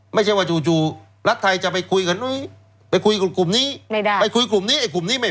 ไม่ใช่ว่าจู่รัฐไทยจะไปคุยกันไปคุยกับกลุ่มนี้